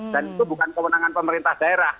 dan itu bukan kewenangan pemerintah daerah